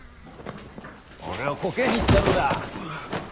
俺をコケにしたんだ。